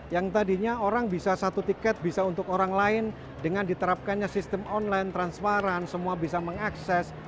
yang tadinya orang bisa satu tiket bisa untuk orang lain dengan diterapkannya sistem online transparan semua bisa mengakses